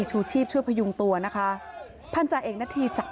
โอ้โฮโอ้โฮโอ้โฮโอ้โฮโอ้โฮโอ้โฮโอ้โฮ